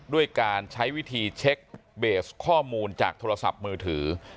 ด้วยการใช้วิธีเช็คเบสข้อมูลจากโทรศัพท์มือถือ